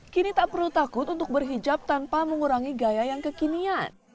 kini tak perlu takut untuk berhijab tanpa mengurangi gaya yang kekinian